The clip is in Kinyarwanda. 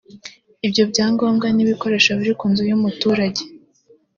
Ibyo byangombwa n’ibikoresho biri ku nzu y’umuturage